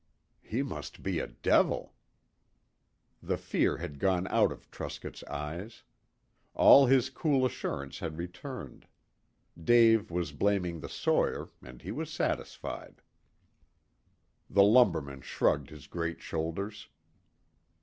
"He must be a devil." The fear had gone out of Truscott's eyes. All his cool assurance had returned. Dave was blaming the sawyer, and he was satisfied. The lumberman shrugged his great shoulders.